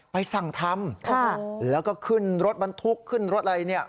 ไปสั่งทำแล้วก็ขึ้นรถบรรทุกขึ้นรถอะไรเนี่ย